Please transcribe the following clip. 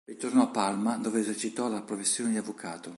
Ritornò a Palma, dove esercitò la professione di avvocato.